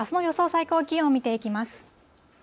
最高気温、見ていきます。